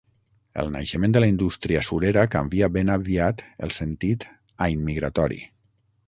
El naixement de la indústria surera canvia ben aviat el sentit a immigratori.